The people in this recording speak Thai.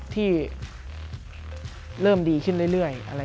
ที่เริ่มดีขึ้นเรื่อย